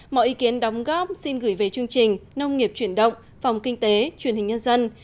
mọi ý kiến đóng góp xin gửi về chương trình nông nghiệp chuyển động phòng kinh tế truyền hình nhân dân